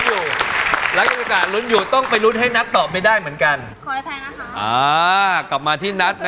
หนึ่งคะแนนสุดท้ายนี้ถ้านัททำได้ก็เข้ารอบไปเลย